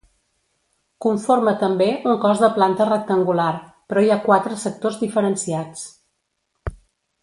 Conforma també un cos de planta rectangular, però hi ha quatre sectors diferenciats.